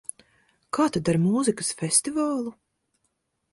Kā tad ar mūzikas festivālu?